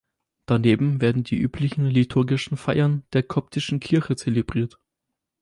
Daneben werden die üblichen liturgischen Feiern der Koptischen Kirche zelebriert.